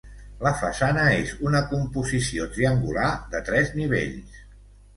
La façana és una composició triangular de tres nivells.